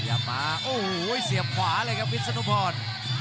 โอ้โหเสียบขวาเลยครับวิทย์สุนุพร